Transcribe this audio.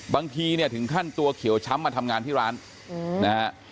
บางทีเนี่ยถึงขั้นตัวเขียวช้ำมาทำงานที่ร้านนะฮะ